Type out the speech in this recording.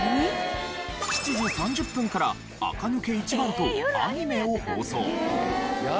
７時３０分から『あかぬけ一番！』とアニメを放送。